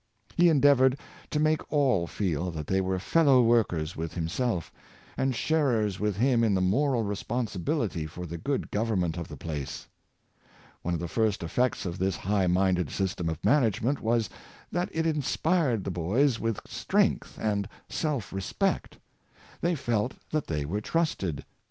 He endeavored to make all feel that they were fellow workers with him self, and sharers with him m the moral responsibility for the good government of the place. One of the first efrects of this high minded system of management was, that it inspired the boys with strength and self respect. They felt that they were trusted.